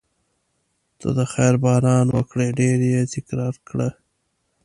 ته د خیر باران وکړې ډېر یې تکرار کړه.